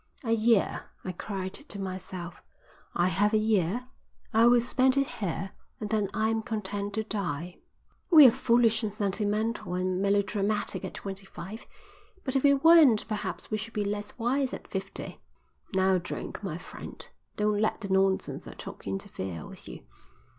'A year,' I cried to myself. 'I have a year. I will spend it here and then I am content to die.'" "We are foolish and sentimental and melodramatic at twenty five, but if we weren't perhaps we should be less wise at fifty." "Now drink, my friend. Don't let the nonsense I talk interfere with you."